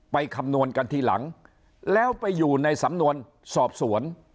คำนวณกันทีหลังแล้วไปอยู่ในสำนวนสอบสวน